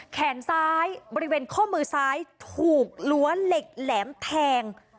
แขนซ้ายบริเวณข้อมือซ้ายถูกล้วเหล็กแหลมแทง